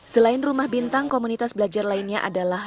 selain rumah bintang komunitas belajar lainnya adalah